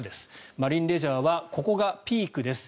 マリンレジャーはここがピークです。